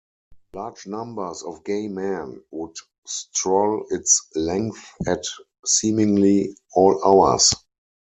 Large numbers of gay men would stroll its length at seemingly all hours.